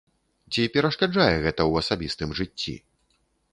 Ці перашкаджае гэта ў асабістым жыцці?